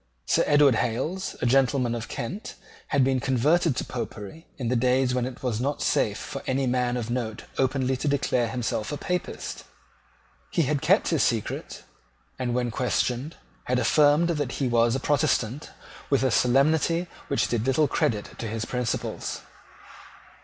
Sir Edward Hales, a gentleman of Kent, had been converted to Popery in days when it was not safe for any man of note openly to declare himself a Papist. He had kept his secret, and, when questioned, had affirmed that he was a Protestant with a solemnity which did little credit to his principles.